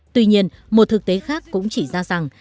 tuy nhiên một thực tế khác cũng chỉ ra rằng